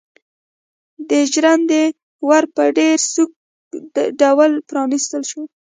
د ژرندې ور په ډېر سوکه ډول پرانيستل شو.